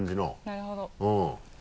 なるほど。